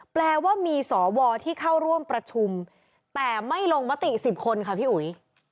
แปลว่ามีสวที่เข้าร่วมประชุมแต่ไม่ลงมติ๑๐คนค่ะพี่อุ๋ย